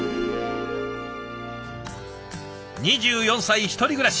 ２４歳１人暮らし。